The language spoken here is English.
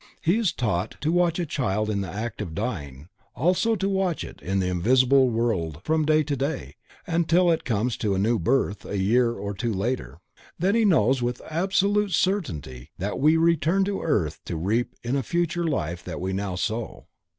He is taught to watch a child in the act of dying, also, to watch it in the invisible world from day to day, until it comes to a new birth a year or two later. Then he knows with absolute certainty that we return to earth to reap in a future life what we now sow.